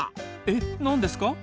え何ですか？